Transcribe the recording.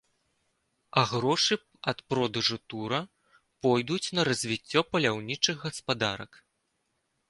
А грошы ад продажу тура пойдуць на развіццё паляўнічых гаспадарак.